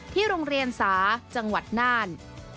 โรงเรียนสาจังหวัดน่าน